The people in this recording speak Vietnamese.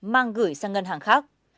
mang gửi sang ngân hàng khác